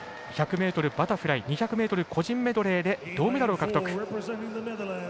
１００ｍバタフライ２００ｍ個人メドレーで銅メダルを獲得。